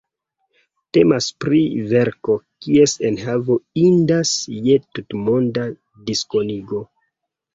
Temas pri verko kies enhavo indas je tutmonda diskonigo.